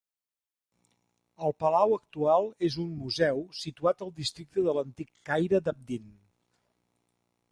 El palau actual és un museu, situat al districte de l'Antic Caire d'Abdeen.